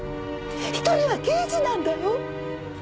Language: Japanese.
１人は刑事なんだよ？